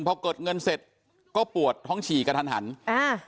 พอเกิดเงินเสร็จก็ปวดท้องฉี่กระทันหันอ่า